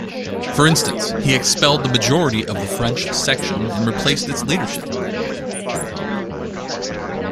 For instance, he expelled the majority of the French section and replaced its leadership.